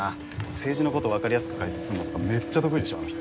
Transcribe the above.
政治のことわかりやすく解説すんのとかめっちゃ得意でしょあの人。